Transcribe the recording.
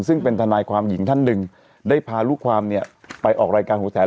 ซึ่งเป็นทนายความหญิงท่านหนึ่งได้พาลูกความเนี่ยไปออกรายการหัวแสน